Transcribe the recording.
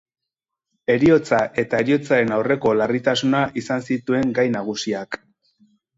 Heriotza eta heriotzaren aurreko larritasuna izan zituen gai nagusiak.